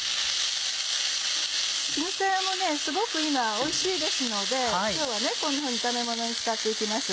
絹さやもすごく今おいしいですので今日はこんなふうに炒めものに使って行きます。